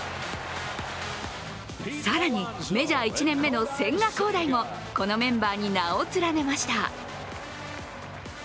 更にメジャー１年目の千賀滉大もこのメンバーに名を連ねました。